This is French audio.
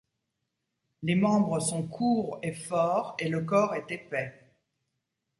Les membres sont courts et forts, et le corps est épais.